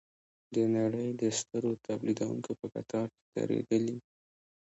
د نړۍ د سترو تولیدوونکو په کتار کې دریدلي.